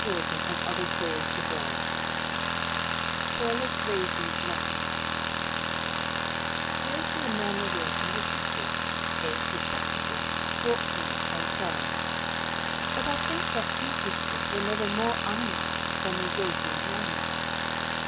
[Illustration: Gracie's Disorderly Room] CARELESS GRACIE'S LESSON Gracie and Norma Wilson were sisters, aged respectively, fourteen and twelve. But I think that two sisters were never more unlike than were Gracie and Norma.